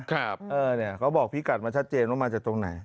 เขาบอกพี่กัดมาชัดเจนว่ามาจากตรงไหน